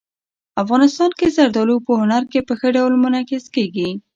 افغانستان کې زردالو په هنر کې په ښه ډول منعکس کېږي.